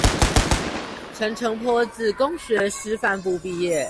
陳澄波自公學師範部畢業